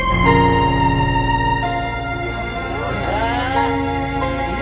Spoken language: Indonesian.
ini ya kang aku